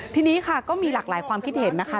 ทีนี้ค่ะก็มีหลากหลายความคิดเห็นนะคะ